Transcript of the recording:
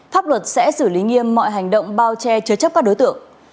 pháp luật sẽ xử lý nghiêm mọi hành động bao che chứa chấp các đối tượng